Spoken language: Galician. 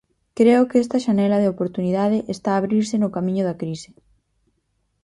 Creo que esta xanela de oportunidade está a abrirse no camiño da crise.